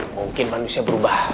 mungkin manusia berubah